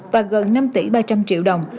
và gần năm tỷ ba trăm linh triệu đồng